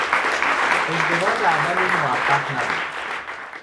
ازدواج اول او موفق نبود.